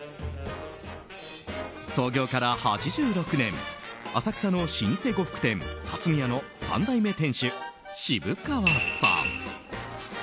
創業から８６年浅草の老舗呉服やたつみやの３代目店主、渋川さん。